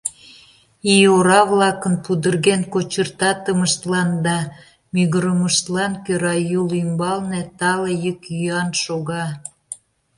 Ий ора-влакын пудырген кочыртатымыштлан да мӱгырымыштлан кӧра Юл ӱмбалне тале йӱк-йӱан шога.